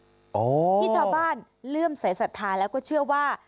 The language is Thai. ที่ชาวบ้านเลื่อมสายศรัทธาแล้วก็เชื่อว่า